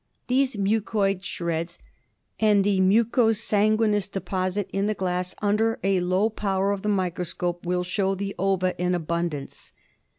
These mucoid shreds and the muco sanguineous deposit in the glass under a low power of the microscope will show the ova in abundance.